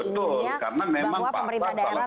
inginnya bahwa pemerintah daerah